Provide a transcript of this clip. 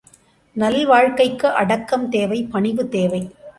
நல்வாழ்க்கைக்கு அடக்கம் தேவை, பணிவு தேவை.